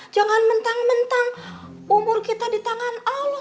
jangan mentang mentang umur kita di tangan allah